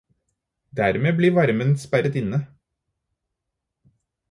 Dermed blir varmen sperret inne.